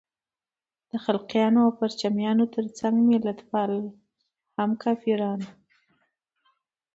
د خلقیانو او پرچمیانو تر څنګ ملتپال هم کافران وو.